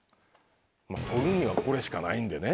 取るにはこれしかないんでね。